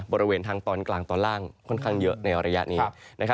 บริเวณทางตอนกลางตอนล่างค่อนข้างเยอะในระยะนี้